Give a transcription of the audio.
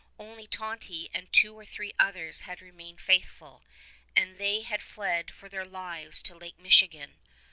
Only Tonty and two or three others had remained faithful, and they had fled for their lives to Lake Michigan.